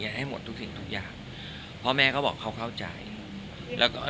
ให้หมดทุกสิ่งทุกอย่างเพราะแม่เขาบอกเขาเข้าใจแล้วก็